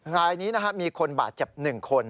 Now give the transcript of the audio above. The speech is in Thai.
ทางนี้นะครับมีคนบาดเจ็บ๑คน